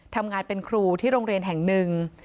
ทำงานเป็นครูที่โรงเรียนแห่งหนึ่ง